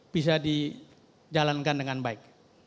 bisa dijalankan dengan baik